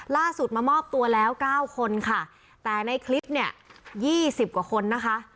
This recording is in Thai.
ล่าสุดมามอบตัวแล้วเก้าคนค่ะแต่ในคลิปเนี่ยยี่สิบกว่าคนนะคะ